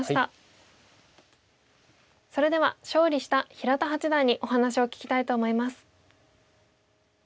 それでは勝利した平田八段にお話を聞きたいと思います。